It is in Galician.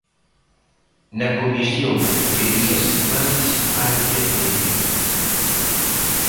Na comisión referíase máis á enfermería.